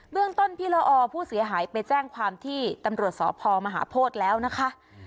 เรื่องต้นพี่ละอผู้เสียหายไปแจ้งความที่ตำรวจสพมหาโพธิแล้วนะคะ